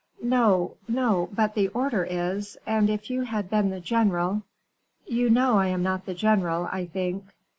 "No, no; but the order is and if you had been the general " "You know I am not the general, I think."